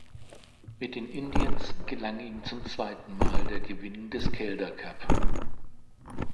Mit den Indians gelang ihm zum zweiten Mal der Gewinn des Calder Cup.